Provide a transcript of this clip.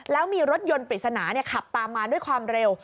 แล้วมีรถยนต์ปริศนาขับตามมาด้วยความเร็ว